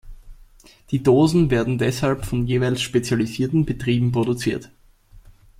Die Dosen werden deshalb von jeweils spezialisierten Betrieben produziert.